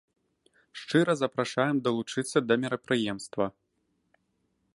Шчыра запрашаем далучыцца да мерапрыемства.